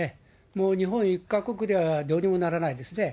もう日本１か国ではどうにもならないですね。